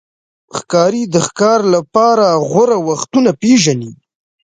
ښکاري د ښکار لپاره غوره وختونه پېژني.